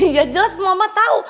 ya jelas mama tau